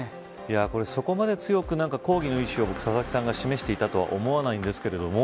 これそこまで強く抗議の意思を佐々木さんが示していたとは思わないんですけれども